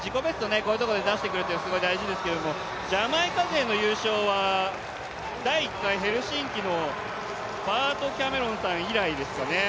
こういうところで出してくるというのは大事ですけれどもジャマイカ勢の優勝は第１回ヘルシンキのバート・キャメロンさん以来ですかね。